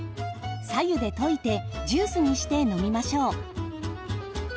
さ湯で溶いてジュースにして飲みましょう。